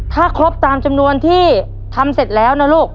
ถ้าครบตามจำนวนที่ทำเสร็จแล้วนะลูก